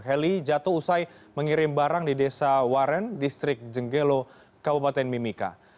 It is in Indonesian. heli jatuh usai mengirim barang di desa waren distrik jenggelo kabupaten mimika